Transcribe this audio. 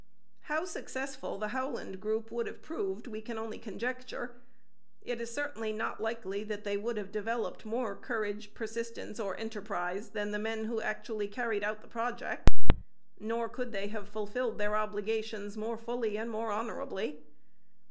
How successful the Howland group would have proved we can only conjecture; it is certainly not likely that they would have developed more courage, persistence, or enterprise than the men who actually carried out the project; nor could they have fulfilled their obligations more fully and more honourably.